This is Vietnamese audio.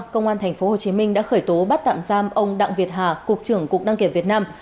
công an tp hcm đã khởi tố bắt tạm giam ông đặng việt hà cục trưởng cục đăng kiểm việt nam